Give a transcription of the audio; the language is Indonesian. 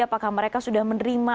apakah mereka sudah menerima